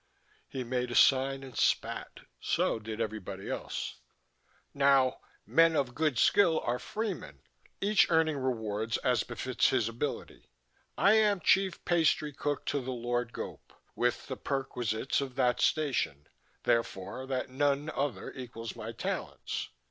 He made a sign and spat. So did everybody else. "Now men of good skill are freemen, each earning rewards as befits his ability. I am Chief Pastry Cook to the Lord Gope, with the perquisites of that station, therefore that none other equals my talents."